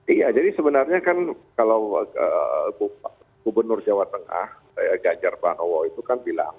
iya jadi sebenarnya kan kalau gubernur jawa tengah ganjar pranowo itu kan bilang